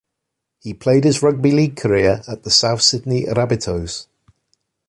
He played his rugby league career at the South Sydney Rabbitohs.